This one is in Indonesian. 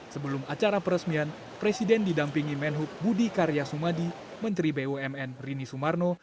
sebelum acara peresmian presiden didampingi menhub budi karya sumadi menteri bumn rini sumarno